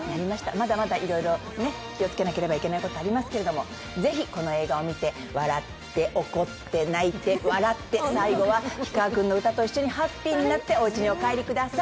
まだまだいろいろ気をつけなければいけないことありますけれども、ぜひこの映画を見て笑って、怒って、泣いて、笑って、最後は氷川君の歌でハッピーになっておうちにお帰りください。